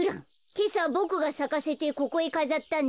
けさボクがさかせてここへかざったんだ。